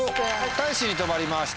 たいしに止まりました。